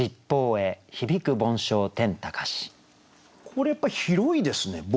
これはやっぱり広いですね。